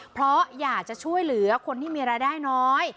เพราะอยากจะช่วยเหลือคนที่มีรายได้น้อย